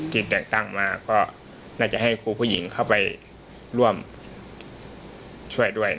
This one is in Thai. จีนแต่งตั้งคือแค่ถ้าให้คุณให้เข้าร่วมช่วยด้วย